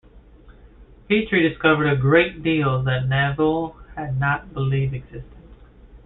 Petrie discovered a great deal that Naville had not believed existed.